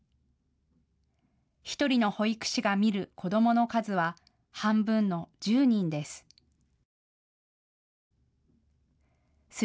１人の保育士が見る子どもの数は半分の１０人です。